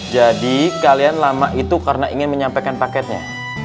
jadi kalian lama itu karena ingin menyampaikan paketnya